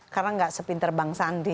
karena nggak sepinter bang sandi